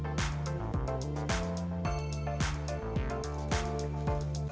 saya berpikir ini adalah cara yang harus dilakukan untuk membuat kekuatan saya lebih baik